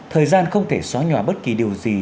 thời gian không thể xóa nhỏ bất kỳ điều gì